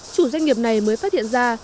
chủ doanh nghiệp này mới phát hiện ra